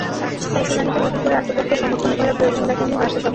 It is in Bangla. তাই শুনানিতে নতুন করে আত্মপক্ষ সমর্থন করার প্রয়োজন দেখেননি বার্সা সভাপতি।